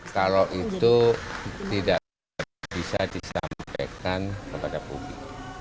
kalau itu tidak bisa disampaikan kepada publik